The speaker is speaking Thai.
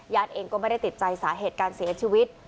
เองก็ไม่ได้ติดใจสาเหตุการเสียชีวิต